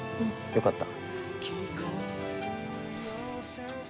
よかった。